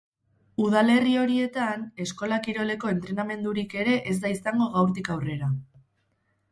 Udalerri horietan, eskola-kiroleko entrenamendurik ere ez da izango gaurtik aurrera.